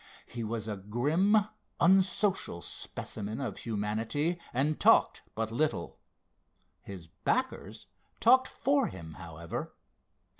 He was a grim, unsocial specimen of humanity, and talked but little. His backers talked for him, however.